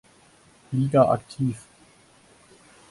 Liga aktiv.